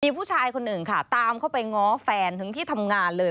มีผู้ชายคนหนึ่งค่ะตามเข้าไปง้อแฟนถึงที่ทำงานเลย